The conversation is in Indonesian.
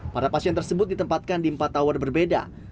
para pasien tersebut ditempatkan di empat tower berbeda